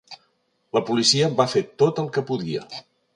La policia va fer tot el que podia.